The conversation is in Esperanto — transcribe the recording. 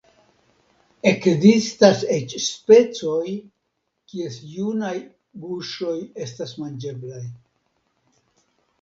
Ekzistas eĉ specoj, kies junaj guŝoj estas manĝeblaj.